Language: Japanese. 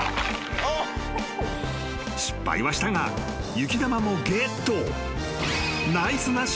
［失敗はしたが雪玉もゲット］